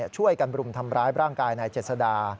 ช่วยกันบรุมทำร้ายร่างกายนายเจษดา